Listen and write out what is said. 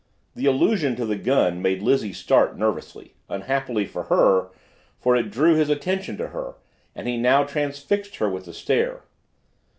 The allusion to the gun made Lizzie start nervously, unhappily for her, for it drew his attention to her and he now transfixed her with a stare.